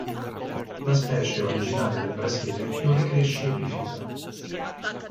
La specie è originaria del Brasile dove cresce epifita.